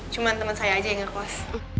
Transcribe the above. cuman temen saya aja yang ngekos